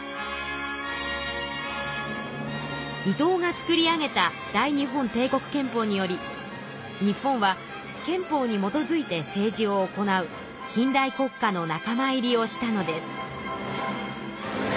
伊藤が作り上げた大日本帝国憲法により日本は憲法にもとづいて政治を行う近代国家の仲間入りをしたのです。